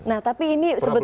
nah tapi ini sebetulnya